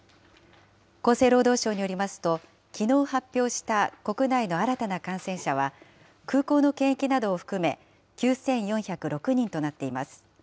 厚生労働省によりますと、きのう発表した国内の新たな感染者は、空港の検疫などを含め、９４０６人となっています。